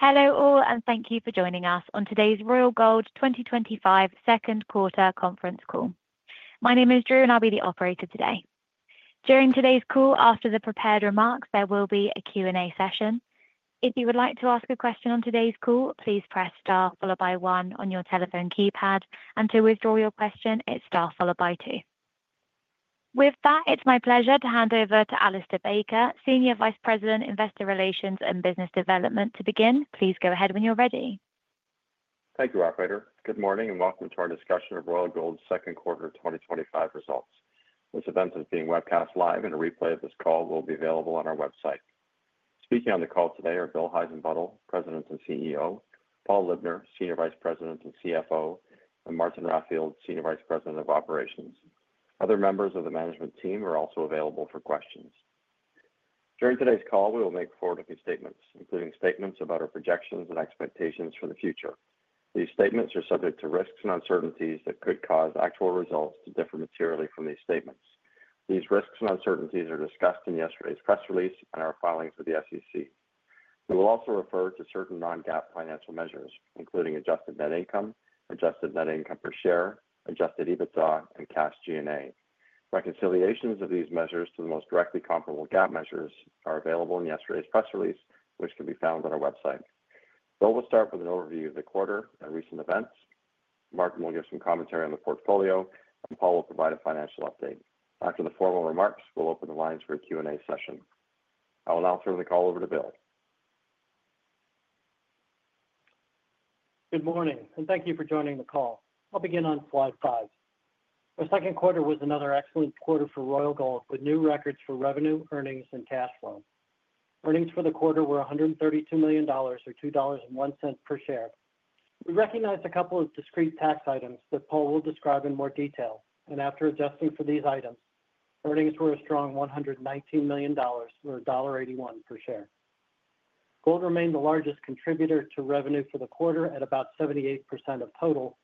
Hello all, and thank you for joining us on today's Royal Gold 2025 Second Quarter Conference Call. My name is Drew, and I'll be the operator today. During today's call, after the prepared remarks, there will be a Q&A session. If you would like to ask a question on today's call, please press star followed by one on your telephone keypad, and to withdraw your question, it's star followed by two. With that, it's my pleasure to hand over to Alistair Baker, Senior Vice President, Investor Relations and Business Development. To begin, please go ahead when you're ready. Thank you, operator. Good morning and welcome to our discussion of Royal Gold's second quarter 2025 results. This event is being webcast live, and a replay of this call will be available on our website. Speaking on the call today are [Bill] Heissenbuttel, President and CEO, Paul Libner, Senior Vice President and CFO, and Martin Raffield, Senior Vice President of Operations. Other members of the management team are also available for questions. During today's call, we will make forward-looking statements, including statements about our projections and expectations for the future. These statements are subject to risks and uncertainties that could cause actual results to differ materially from these statements. These risks and uncertainties are discussed in yesterday's press release and our filings with the SEC. We will also refer to certain non-GAAP financial measures, including adjusted net income, adjusted net income per share, EBITDA, and cash G&A. Reconciliations of these measures to the most directly comparable GAAP measures are available in yesterday's press release, which can be found on our website. [Bill] will start with an overview of the quarter and recent events. Martin will give some commentary on the portfolio, and Paul will provide a financial update. After the formal remarks, we'll open the lines for a Q&A session. I will now throw the call over to [Bill] Good morning, and thank you for joining the call. I'll begin on slide five. Our second quarter was another excellent quarter for Royal Gold, with new records for revenue, earnings, and cash flow. Earnings for the quarter were $132 million, or $2.01 per share. We recognize a couple of discrete tax items that Paul will describe in more detail, and after adjusting for these items, earnings were a strong $119 million, or $1.81 per share. Gold remained the largest contributor to revenue for the quarter at about 78% of total,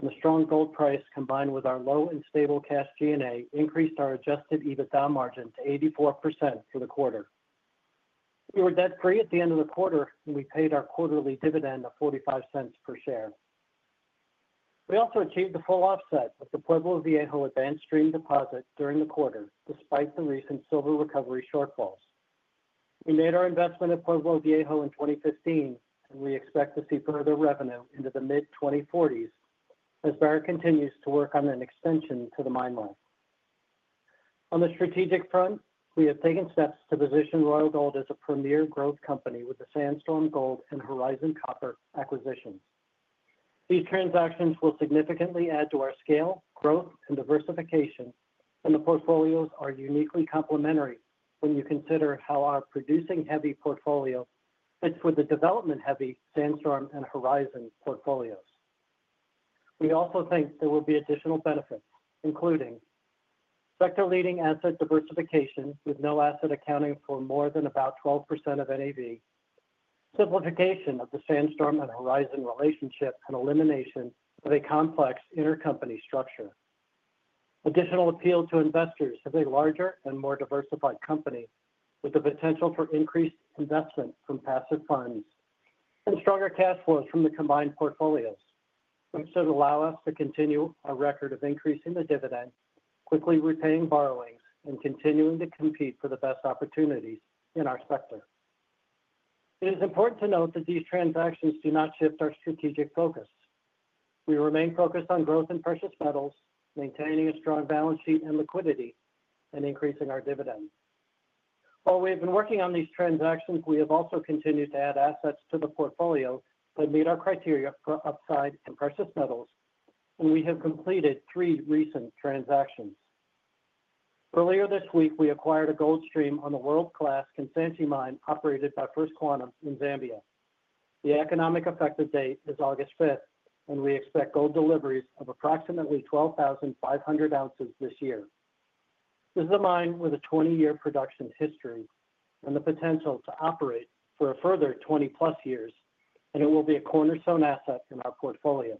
and the strong gold price, combined with our low and stable cash G&A, increased our adjusted EBITDA margin to 84% for the quarter. We were debt-free at the end of the quarter, and we paid our quarterly dividend at $0.45 per share. We also achieved a full offset of the Pueblo Viejo advanced stream deposit during the quarter, despite the recent silver recovery shortfalls. We made our investment at Pueblo Viejo in 2015, and we expect to see further revenue into the mid-2040s as Barrick continues to work on an extension to the mine life. On the strategic front, we have taken steps to position Royal Gold as a premier growth company with the Sandstorm Gold and Horizon Copper acquisition. These transactions will significantly add to our scale, growth, and diversification, and the portfolios are uniquely complementary when you consider how our producing-heavy portfolio fits with the development-heavy Sandstorm and Horizon portfolios. We also think there will be additional benefits, including sector-leading asset diversification, with no asset accounting for more than about 12% of NAV, simplification of the Sandstorm and Horizon relationship, and elimination of a complex intercompany structure. Additional appeal to investors is a larger and more diversified company, with the potential for increased investment from passive funds and stronger cash flows from the combined portfolios, which should allow us to continue our record of increasing the dividend, quickly repaying borrowings, and continuing to compete for the best opportunities in our sector. It is important to note that these transactions do not shift our strategic focus. We remain focused on growth in precious metals, maintaining a strong balance sheet and liquidity, and increasing our dividend. While we have been working on these transactions, we have also continued to add assets to the portfolio that meet our criteria for upside in precious metals, and we have completed three recent transactions. Earlier this week, we acquired a gold stream on the world-class Kansanshi mine operated by First Quantum in Zambia. The economic effective date is August 5th, and we expect gold deliveries of approximately 12,500 ounces this year. This is a mine with a 20-year production history and the potential to operate for a further 20+ years, and it will be a cornerstone asset in our portfolio.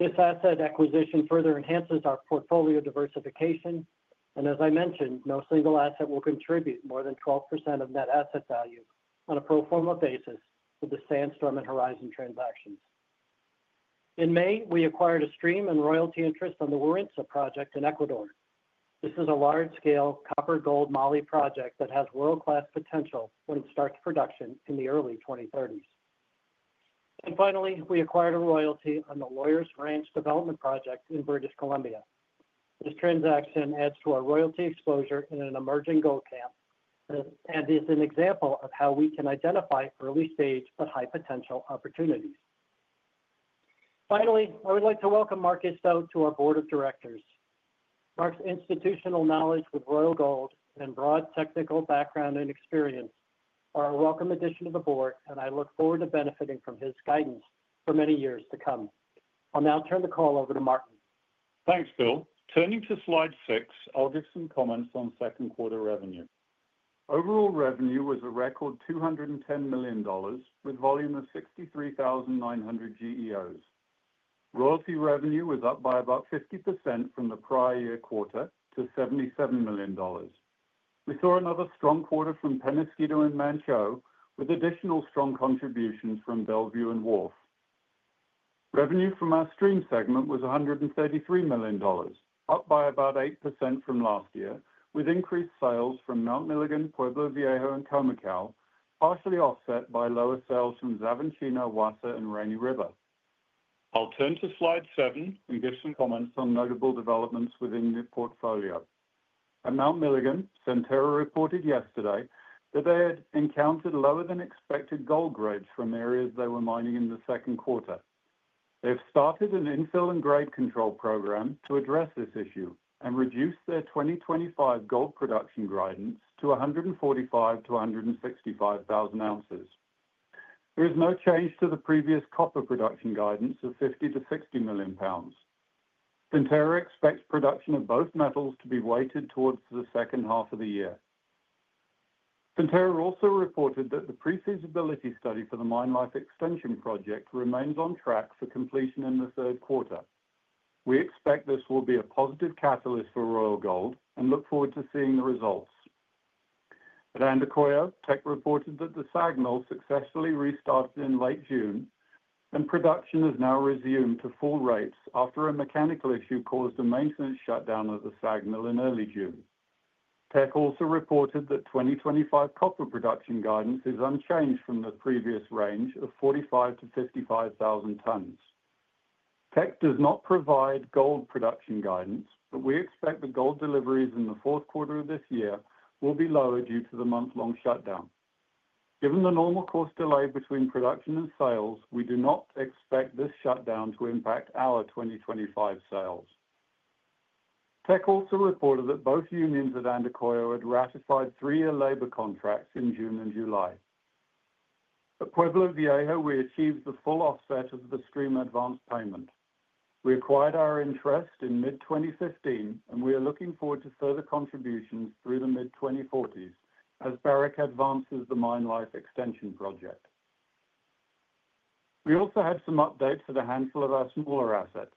This asset acquisition further enhances our portfolio diversification, and as I mentioned, no single asset will contribute more than 12% of net asset value on a pro forma basis with the Sandstorm and Horizon transaction. In May, we acquired a stream and royalty interest on the Warintza project in Ecuador. This is a large-scale copper-gold moly project that has world-class potential when it starts production in the early 2030s. Finally, we acquired a royalty on the Lawyers-Ranch development project in British Columbia. This transaction adds to our royalty exposure in an emerging gold camp and is an example of how we can identify early-stage but high-potential opportunities. Finally, I would like to welcome Mark Isto to our Board of Directors. Mark's institutional knowledge with Royal Gold and broad technical background and experience are a welcome addition to the Board, and I look forward to benefiting from his guidance for many years to come. I'll now turn the call over to Martin. Thanks, [Bill] Turning to slide six, I'll give some comments on second quarter revenue. Overall revenue was a record $210 million, with a volume of 63,900 GEOs. Royalty revenue was up by about 50% from the prior year quarter to $77 million. We saw another strong quarter from Peñasquito and Manh Choh, with additional strong contributions from Bellevue and Wharf. Revenue from our stream segment was $133 million, up by about 8% from last year, with increased sales from Mount Milligan, Pueblo Viejo, and Khoemacau, partially offset by lower sales from Xavantina, Wassa, and Rainy River. I'll turn to slide seven and give some comments on notable developments within the portfolio. At Mount Milligan, Centerra reported yesterday that they had encountered lower-than-expected gold grades from areas they were mining in the second quarter. They've started an infill and grade control program to address this issue and reduce their 2025 gold production guidance to 145,000-165,000 ounces. There is no change to the previous copper production guidance of 50 million-60 million pounds. Centerra expects production of both metals to be weighted towards the second half of the year. Centerra also reported that the prefeasibility study for the Mine Life Extension project remains on track for completion in the third quarter. We expect this will be a positive catalyst for Royal Gold and look forward to seeing the results. At Andacollo, Teck reported that the SAG mill successfully restarted in late June, and production has now resumed to full rates after a mechanical issue caused a maintenance shutdown of the SAG mill in early June. Teck also reported that 2025 copper production guidance is unchanged from the previous range of 45,000-55,000 tonnes. Teck does not provide gold production guidance, but we expect the gold deliveries in the fourth quarter of this year will be lower due to the month-long shutdown. Given the normal course delay between production and sales, we do not expect this shutdown to impact our 2025 sales. Teck also reported that both unions at Andacollo had ratified three-year labor contracts in June and July. At Pueblo Viejo, we achieved the full offset of the stream advance payment. We acquired our interest in mid-2015, and we are looking forward to further contributions through the mid-2040s as Barrick advances the Mine Life Extension project. We also had some updates for a handful of our smaller assets.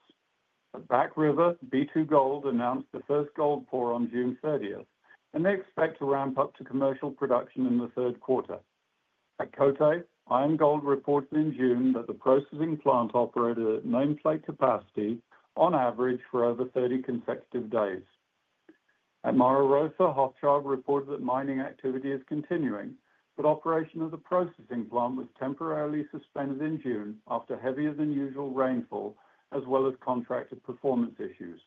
At Back River, B2Gold announced the first gold pour on June 30th, and they expect to ramp up to commercial production in the third quarter. At Côté, IAMGOLD reported in June that the processing plant operated at nameplate capacity on average for over 30 consecutive days. At Mara Rosa, Hochschild reported that mining activity is continuing, but operation of the processing plant was temporarily suspended in June after heavier than usual rainfall, as well as contracted performance issues.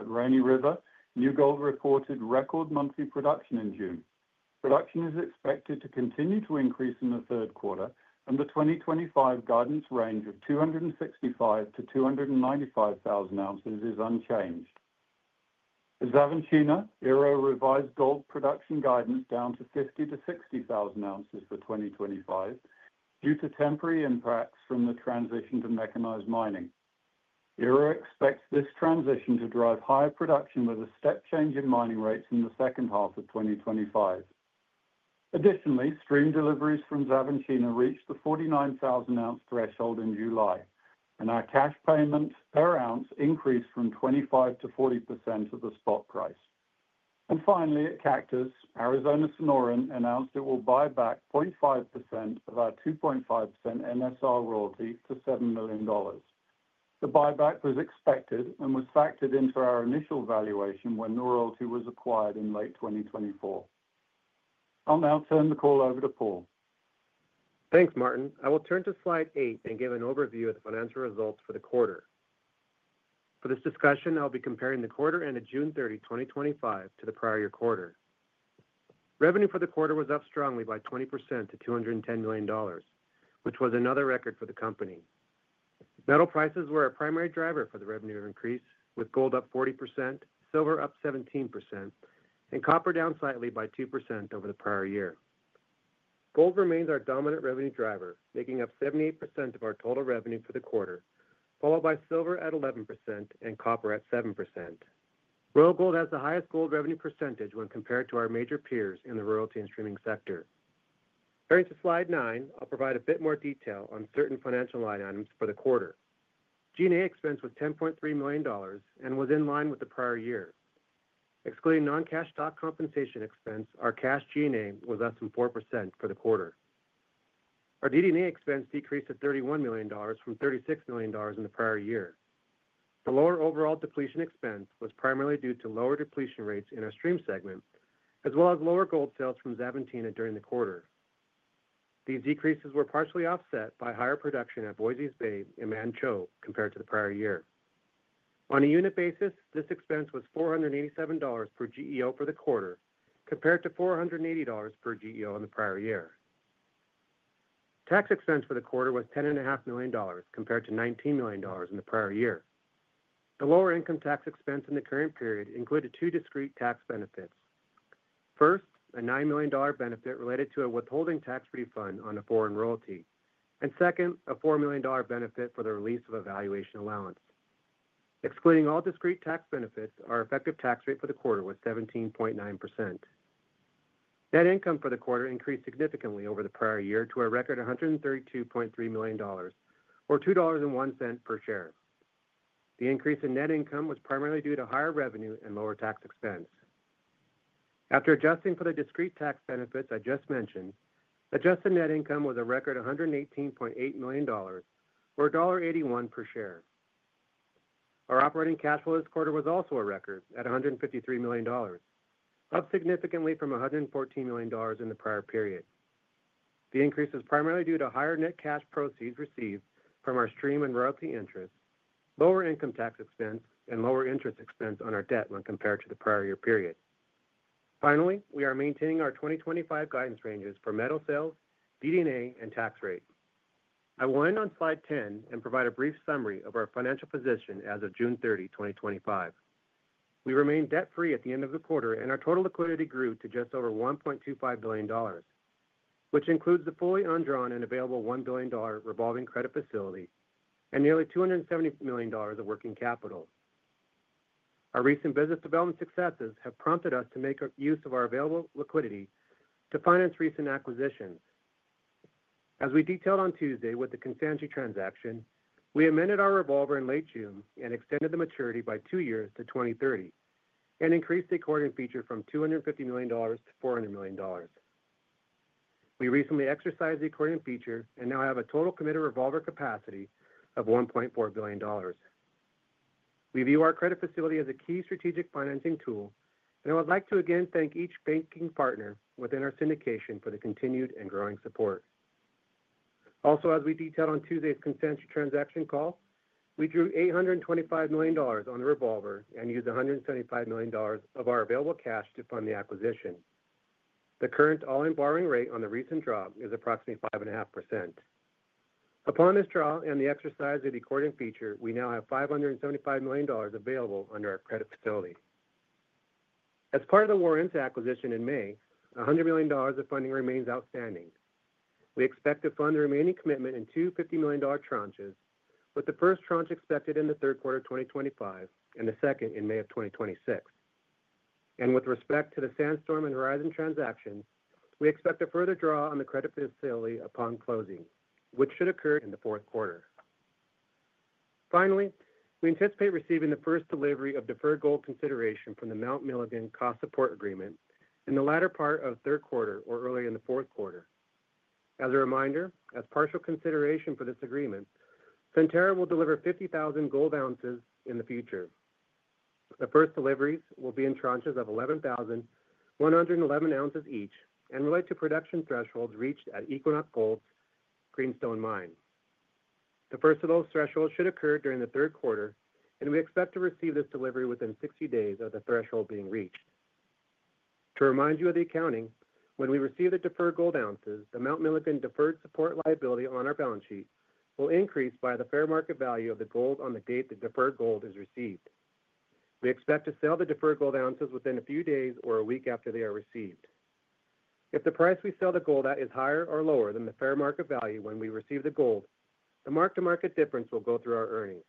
At Rainy River, New Gold reported record monthly production in June. Production is expected to continue to increase in the third quarter, and the 2025 guidance range of 265,000-295,000 ounces is unchanged. At Xavantina, Ero revised gold production guidance down to 50,000-60,000 ounces for 2025 due to temporary impacts from the transition to mechanized mining. Ero expects this transition to drive higher production with a step change in mining rates in the second half of 2025. Additionally, stream deliveries from Xavantina reached the 49,000-ounce threshold in July, and our cash payment per ounce increased from 25%-40% of the spot price. Finally, at Cactus, Arizona Sonoran announced it will buy back 0.5% of our 2.5% NSR royalties for $7 million. The buyback was expected and was factored in for our initial valuation when the royalty was acquired in late 2024. I'll now turn the call over to Paul. Thanks, Martin. I will turn to slide eight and give an overview of the financial results for the quarter. For this discussion, I'll be comparing the quarter ended June 30, 2025, to the prior year quarter. Revenue for the quarter was up strongly by 20% to $210 million, which was another record for the company. Metal prices were a primary driver for the revenue increase, with gold up 40%, silver up 17%, and copper down slightly by 2% over the prior year. Gold remains our dominant revenue driver, making up 78% of our total revenue for the quarter, followed by silver at 11% and copper at 7%. Royal Gold has the highest gold revenue percentage when compared to our major peers in the royalty and streaming sector. Turning to slide nine, I'll provide a bit more detail on certain financial line items for the quarter. G&A expense was $10.3 million and was in line with the prior year. Excluding non-cash stock compensation expense, our cash G&A was less than 4% for the quarter. Our DD&A expense decreased to $31 million from $36 million in the prior year. The lower overall depletion expense was primarily due to lower depletion rates in our stream segments, as well as lower gold sales from Xavantina during the quarter. These decreases were partially offset by higher production at Voisey's Bay and Manh Choh compared to the prior year. On a unit basis, this expense was $487 per GEO for the quarter, compared to $480 per GEO in the prior year. Tax expense for the quarter was $10.5 million compared to $19 million in the prior year. The lower income tax expense in the current period included two discrete tax benefits. First, a $9 million benefit related to a withholding tax refund on a foreign royalty, and second, a $4 million benefit for the release of a valuation allowance. Excluding all discrete tax benefits, our effective tax rate for the quarter was 17.9%. Net income for the quarter increased significantly over the prior year to a record $132.3 million, or $2.01 per share. The increase in net income was primarily due to higher revenue and lower tax expense. After adjusting for the discrete tax benefits I just mentioned, adjusted net income was a record $118.8 million, or $1.81 per share. Our operating cash flow this quarter was also a record at $153 million, up significantly from $114 million in the prior period. The increase was primarily due to higher net cash proceeds received from our stream and royalty interest, lower income tax expense, and lower interest expense on our debt when compared to the prior year period. Finally, we are maintaining our 2025 guidance ranges for metal sales, DD&A, and tax rate. I will end on slide 10 and provide a brief summary of our financial position as of June 30, 2025. We remained debt-free at the end of the quarter, and our total liquidity grew to just over $1.25 billion, which includes the fully undrawn and available $1 billion revolving credit facility and nearly $270 million of working capital. Our recent business development successes have prompted us to make use of our available liquidity to finance recent acquisitions. As we detailed on Tuesday with the Kansanshi transaction, we amended our revolver in late June and extended the maturity by two years to 2030 and increased the accordion feature from $250 million-$400 million. We recently exercised the accordion feature and now have a total committed revolver capacity of $1.4 billion. We view our credit facility as a key strategic financing tool, and I would like to again thank each banking partner within our syndication for the continued and growing support. Also, as we detailed on Tuesday's Kansanshi transaction call, we drew $825 million on the revolver and used $175 million of our available cash to fund the acquisition. The current all-in borrowing rate on the recent draw is approximately 5.5%. Upon this draw and the exercise of the accordion feature, we now have $575 million available under our credit facility. As part of the Warintza acquisition in May, $100 million of funding remains outstanding. We expect to fund the remaining commitment in two $50 million tranches, with the first tranche expected in the third quarter of 2025 and the second in May of 2026. With respect to the Sandstorm and Horizon transaction, we expect a further draw on the credit facility upon closing, which should occur in the fourth quarter. Finally, we anticipate receiving the first delivery of deferred gold consideration from the Mount Milligan cost support agreement in the latter part of the third quarter or earlier in the fourth quarter. As a reminder, as partial consideration for this agreement, Centerra will deliver 50,000 gold ounces in the future. The first deliveries will be in tranches of 11,111 ounces each and relate to production thresholds reached at Equinox Gold's Greenstone mine. The first of those thresholds should occur during the third quarter, and we expect to receive this delivery within 60 days of the threshold being reached. To remind you of the accounting, when we receive the deferred gold ounces, the Mount Milligan deferred support liability on our balance sheet will increase by the fair market value of the gold on the date the deferred gold is received. We expect to sell the deferred gold ounces within a few days or a week after they are received. If the price we sell the gold at is higher or lower than the fair market value when we receive the gold, the mark-to-market difference will go through our earnings.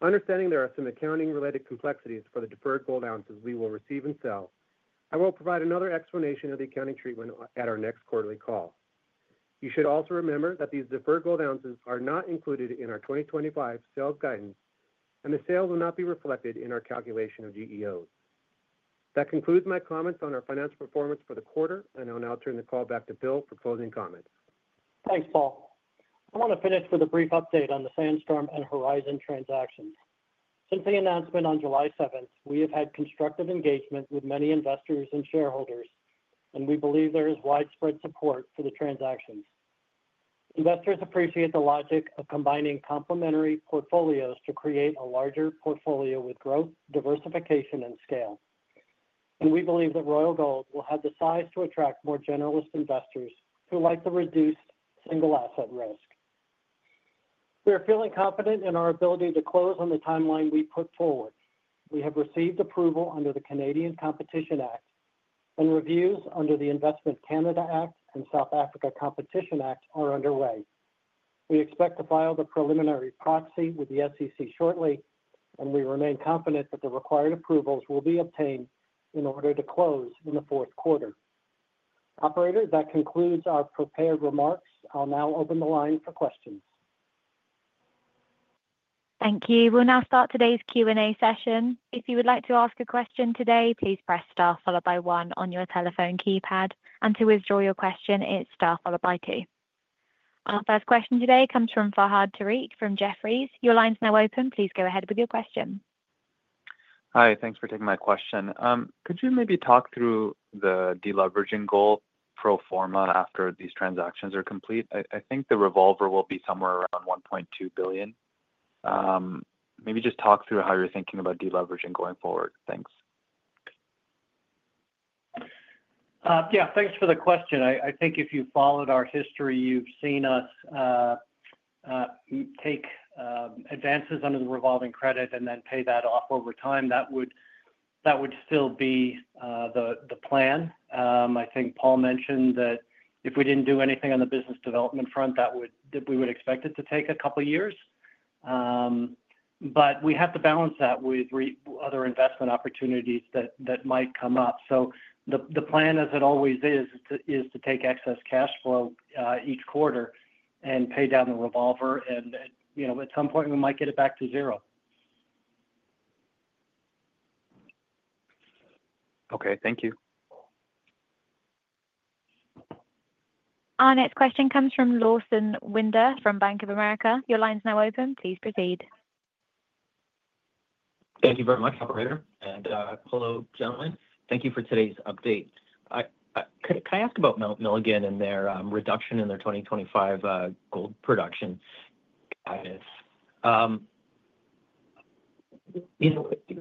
Understanding there are some accounting-related complexities for the deferred gold ounces we will receive and sell, I will provide another explanation of the accounting treatment at our next quarterly call. You should also remember that these deferred gold ounces are not included in our 2025 sales guidance, and the sales will not be reflected in our calculation of GEOs. That concludes my comments on our financial performance for the quarter, and I'll now turn the call back to [Bill] for closing comments. Thanks, Paul. I want to finish with a brief update on the Sandstorm and Horizon transaction. Since the announcement on July 7th, we have had constructive engagement with many investors and shareholders, and we believe there is widespread support for the transactions. Investors appreciate the logic of combining complementary portfolios to create a larger portfolio with growth, diversification, and scale. We believe that Royal Gold will have the size to attract more generalist investors who like the reduced single asset risk. We are feeling confident in our ability to close on the timeline we put forward. We have received approval under the Canadian Competition Act, and reviews under the Investment Canada Act and South Africa Competition Act are underway. We expect to file the preliminary proxy with the SEC shortly, and we remain confident that the required approvals will be obtained in order to close in the fourth quarter. Operator, that concludes our prepared remarks. I'll now open the line for questions. Thank you. We'll now start today's Q&A session. If you would like to ask a question today, please press star one on your telephone keypad, and to withdraw your question, it's followed by star two. Our first question today comes from Farhad Tariq from Jefferies. Your line's now open. Please go ahead with your question. Hi, thanks for taking my question. Could you maybe talk through the deleveraging goal pro forma after these transactions are complete? I think the revolver will be somewhere around $1.2 billion. Maybe just talk through how you're thinking about deleveraging going forward. Thanks. Yeah, thanks for the question. I think if you followed our history, you've seen us take advances under the revolving credit and then pay that off over time. That would still be the plan. I think Paul mentioned that if we didn't do anything on the business development front, we would expect it to take a couple of years. We have to balance that with other investment opportunities that might come up. The plan, as it always is, is to take excess cash flow each quarter and pay down the revolver, and you know at some point we might get it back to zero. Okay, thank you. Our next question comes from Lawson Winder from Bank of America. Your line's now open. Please proceed. Thank you very much, operator, and hello, gentlemen. Thank you for today's update. Could I ask about Mount Milligan and their reduction in their 2025 gold production guidance?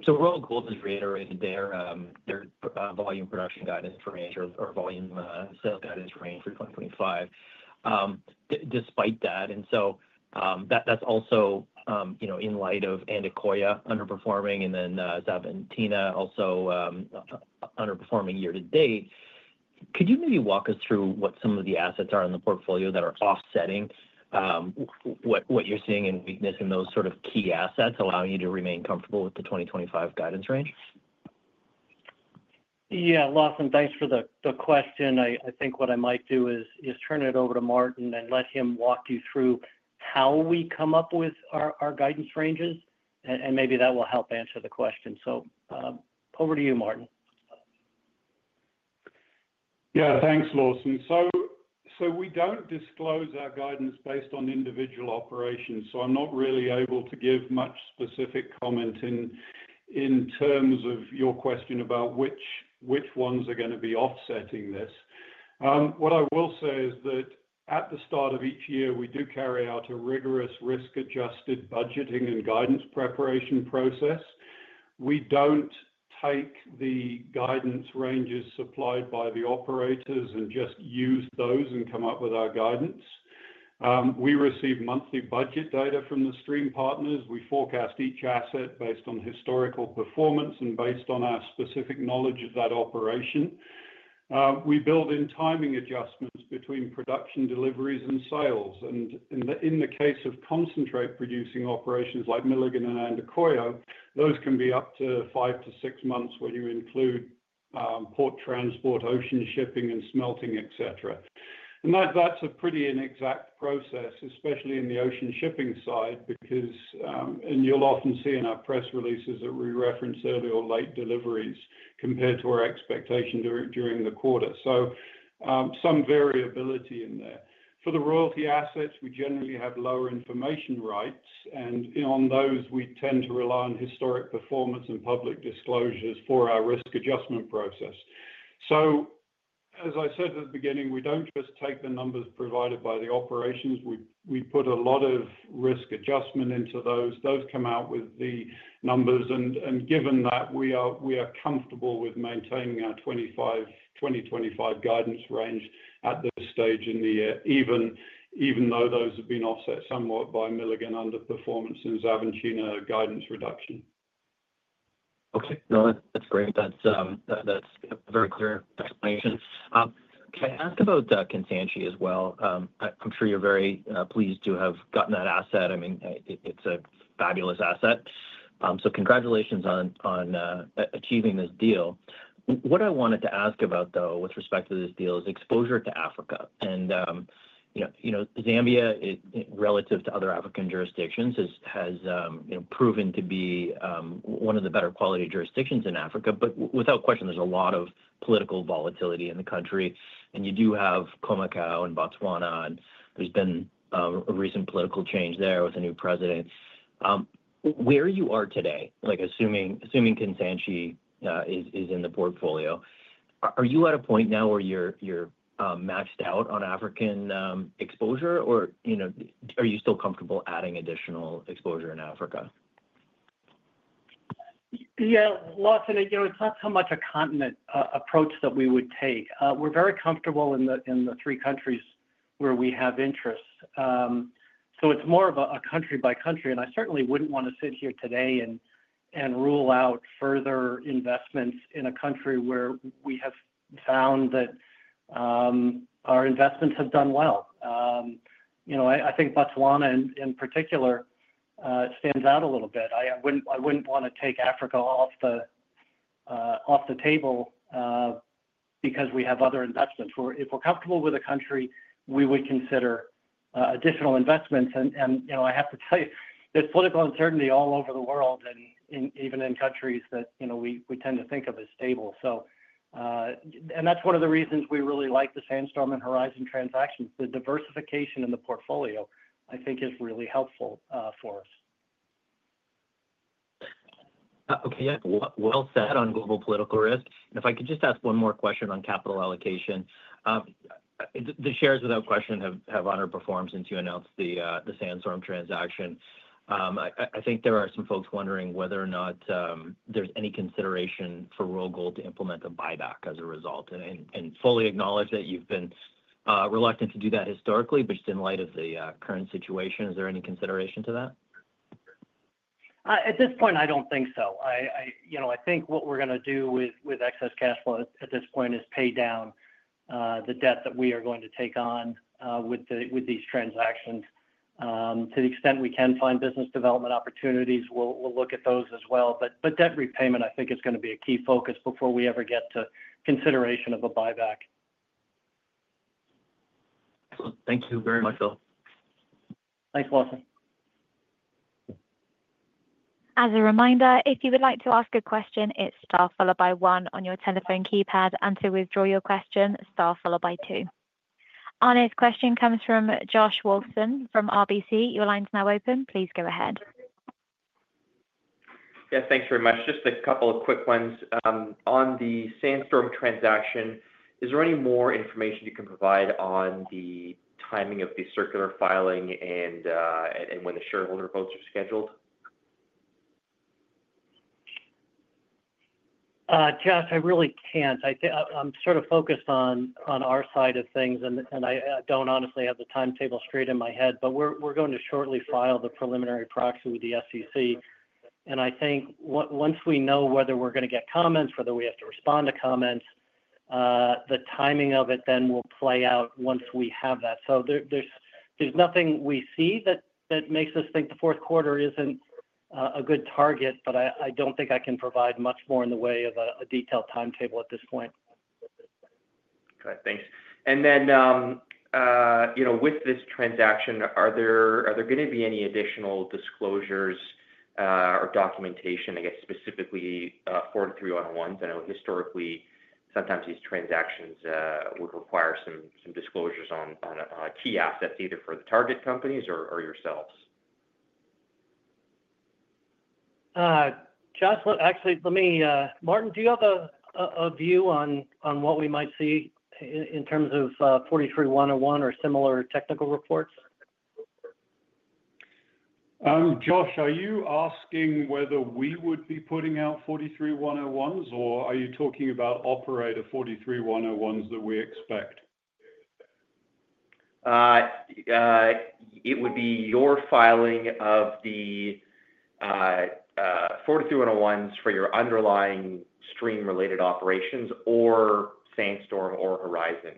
Royal Gold has reiterated their volume production guidance range or volume sales guidance range for 2025 despite that. That is also in light of Andacollo underperforming and then Xavantina also underperforming year to date. Could you maybe walk us through what some of the assets are in the portfolio that are offsetting what you're seeing in weakness in those key assets, allowing you to remain comfortable with the 2025 guidance range? Yeah, Lawson, thanks for the question. I think what I might do is turn it over to Martin and let him walk you through how we come up with our guidance ranges, and maybe that will help answer the question. Over to you, Martin. Yeah, thanks, Lawson. We don't disclose our guidance based on individual operations, so I'm not really able to give much specific comment in terms of your question about which ones are going to be offsetting this. What I will say is that at the start of each year, we carry out a rigorous risk-adjusted budgeting and guidance preparation process. We don't take the guidance ranges supplied by the operators and just use those and come up with our guidance. We receive monthly budget data from the stream partners. We forecast each asset based on historical performance and based on our specific knowledge of that operation. We build in timing adjustments between production deliveries and sales. In the case of concentrate-producing operations like Milligan and Andacollo, those can be up to five to six months when you include port transport, ocean shipping, and smelting, etc. That's a pretty inexact process, especially in the ocean shipping side, because you'll often see in our press releases that we reference early or late deliveries compared to our expectation during the quarter. There is some variability in there. For the royalty assets, we generally have lower information rights, and on those, we tend to rely on historic performance and public disclosures for our risk adjustment process. As I said at the beginning, we don't just take the numbers provided by the operations. We put a lot of risk adjustment into those. Those come out with the numbers, and given that we are comfortable with maintaining our 2025 guidance range at this stage in the year, even though those have been offset somewhat by Milligan underperformance and Xavantina guidance reduction. Okay, no, that's great. That's a very clear explanation. Can I ask about Kansanshi as well? I'm sure you're very pleased you have gotten that asset. I mean, it's a fabulous asset. Congratulations on achieving this deal. What I wanted to ask about, though, with respect to this deal is exposure to Africa. You know Zambia, relative to other African jurisdictions, has proven to be one of the better quality jurisdictions in Africa, but without question, there's a lot of political volatility in the country. You do have Khoemacau and Botswana, and there's been a recent political change there with a new president. Where you are today, like assuming Kansanshi is in the portfolio, are you at a point now where you're maxed out on African exposure, or are you still comfortable adding additional exposure in Africa? Yeah, Lawson, it's not so much a continent approach that we would take. We're very comfortable in the three countries where we have interests. It's more of a country by country, and I certainly wouldn't want to sit here today and rule out further investments in a country where we have found that our investments have done well. I think Botswana in particular stands out a little bit. I wouldn't want to take Africa off the table because we have other investments. If we're comfortable with a country, we would consider additional investments. I have to tell you, there's political uncertainty all over the world, even in countries that we tend to think of as stable. That's one of the reasons we really like the Sandstorm and Horizon transactions. The diversification in the portfolio, I think, is really helpful for us. Okay, yeah, we'll help set head on global political risk. If I could just ask one more question on capital allocation, the shares without question have underperformed since you announced the Sandstorm Gold transaction. I think there are some folks wondering whether or not there's any consideration for Royal Gold to implement a buyback as a result. I fully acknowledge that you've been reluctant to do that historically, but just in light of the current situation, is there any consideration to that? At this point, I don't think so. I think what we're going to do with excess cash flow at this point is pay down the debt that we are going to take on with these transactions. To the extent we can find business development opportunities, we'll look at those as well. Debt repayment, I think, is going to be a key focus before we ever get to consideration of a buyback. Thank you very much, [Bill] Thanks, Lawson. As a reminder, if you would like to ask a question, it's star one on your telephone keypad, and to withdraw your question, it's star followed by two. Our next question comes from Josh Wilson from RBC. Your line's now open. Please go ahead. Yeah, thanks very much. Just a couple of quick ones. On the Sandstorm transaction, is there any more information you can provide on the timing of the circular filing and when the shareholder votes are scheduled? Josh, I really can't. I'm sort of focused on our side of things, and I don't honestly have the timetable straight in my head. We're going to shortly file the preliminary proxy with the SEC. I think once we know whether we're going to get comments, whether we have to respond to comments, the timing of it then will play out once we have that. There's nothing we see that makes us think the fourth quarter isn't a good target, but I don't think I can provide much more in the way of a detailed timetable at this point. Okay, thanks. With this transaction, are there going to be any additional disclosures or documentation, I guess, specifically for 301s? I know historically, sometimes these transactions would require some disclosures on key assets, either for the target companies or yourselves. Josh, actually, let me, Martin, do you have a view on what we might see in terms of 43-101 or similar technical reports? Josh, are you asking whether we would be putting out 43-101s, or are you talking about operator 43-101s that we expect? It would be your filing of the 43-101s for your underlying stream-related operations, or Sandstorm or Horizon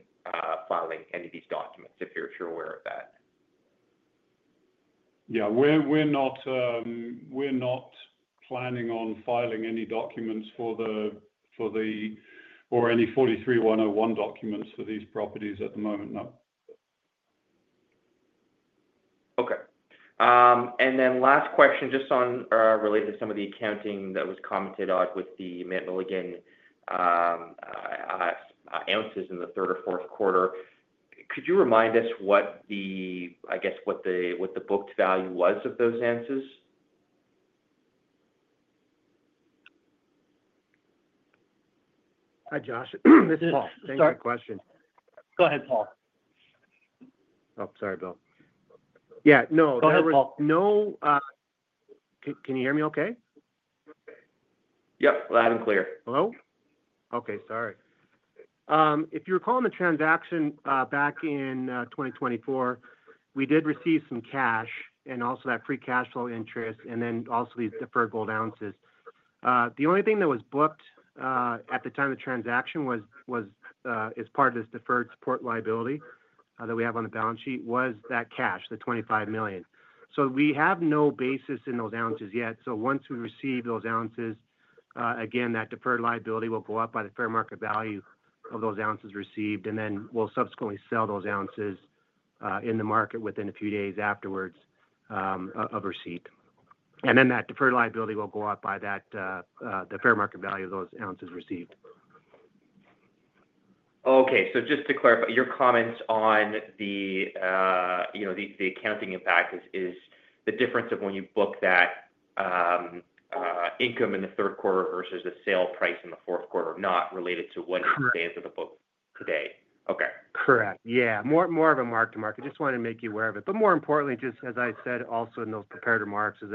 filing any of these documents, if you're aware of that. Yeah, we're not planning on filing any documents or any 43-101 documents for these properties at the moment, no. Okay. Last question, just related to some of the accounting that was commented on with the Milligan ounces in the third or fourth quarter. Could you remind us what the, I guess, what the booked value was of those ounces? Hi, Josh. This is Paul. Thanks for the question. Go ahead, Paul. Oh, sorry, [Bill.]Yeah, no, go ahead, Paul. Can you hear me okay? Yep, loud and clear. Hello? Okay, sorry. If you recall in the transaction back in 2024, we did receive some cash and also that pre-cash flow interest and then also these deferred gold ounces. The only thing that was booked at the time of the transaction was, as part of this deferred support liability that we have on the balance sheet, was that cash, the $25 million. We have no basis in those ounces yet. Once we receive those ounces, that deferred liability will go up by the fair market value of those ounces received, and we'll subsequently sell those ounces in the market within a few days afterwards of receipt. That deferred liability will go up by the fair market value of those ounces received. Okay, just to clarify, your comments on the accounting impact is the difference of when you book that income in the third quarter versus the sale price in the fourth quarter, not related to what it stands to the book today. Okay. Correct, yeah. More of a mark-to-market. I just wanted to make you aware of it. More importantly, as I said also in those prepared remarks, those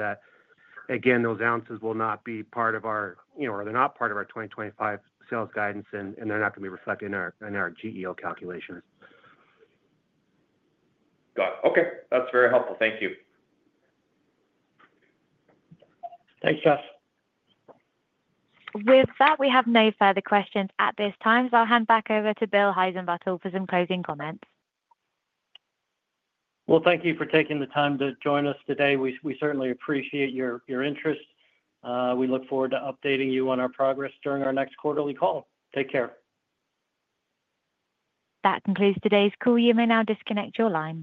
ounces will not be part of our 2025 sales guidance, and they're not going to be reflected in our GEO calculations. Got it. Okay, that's very helpful. Thank you. Thanks, Josh. With that, we have no further questions at this time. I'll hand back over to [Bill] Heissenbuttel for some closing comments. Thank you for taking the time to join us today. We certainly appreciate your interest. We look forward to updating you on our progress during our next quarterly call. Take care. That concludes today's call. You may now disconnect your line.